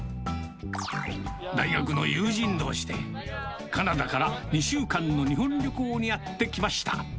大学の友人どうしで、カナダから２週間の日本旅行にやって来ました。